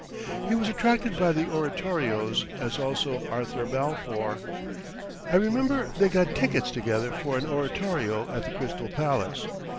He was attracted by the oratorios as also Arthur Balfour. I remember they got tickets together for an oratorio at the Crystal Palace.